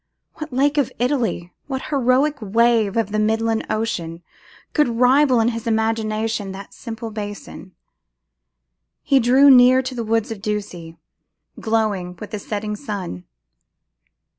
What lake of Italy, what heroic wave of the midland ocean, could rival in his imagination that simple basin! He drew near to the woods of Ducie, glowing with the setting sun.